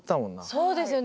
そうですよね。